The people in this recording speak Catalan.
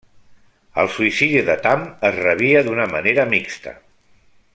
El suïcidi de Tam es rebia d'una manera mixta.